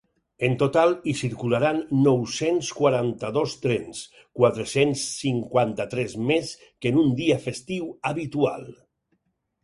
En total hi circularan nou-cents quaranta-dos trens, quatre-cents cinquanta-tres més que en un dia festiu habitual.